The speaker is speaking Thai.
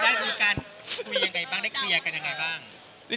การคุยกันได้เคลียร์กันยังไงบ้าง